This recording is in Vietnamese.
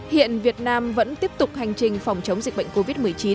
hiện việt nam vẫn tiếp tục hành trình phòng chống dịch bệnh covid một mươi chín